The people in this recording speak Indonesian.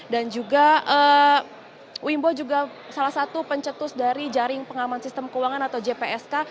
dan juga wimbo juga salah satu pencetus dari jaring pengaman sistem keuangan atau jpsk